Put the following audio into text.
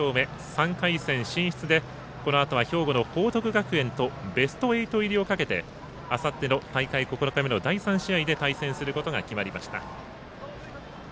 ３回戦進出でこのあとは兵庫の報徳学園とベスト８入りをかけてあさっての大会９日目の第３試合で対戦することが決まりました。